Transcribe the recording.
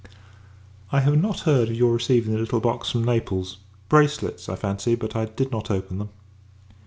I have not heard of your receiving the little box from Naples; bracelets, I fancy, but I did not open them.